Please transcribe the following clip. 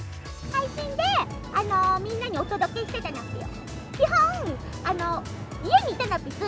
配信でみんなにお届けしてたなっぴよ。